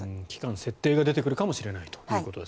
期間設定が出てくるかもしれないと。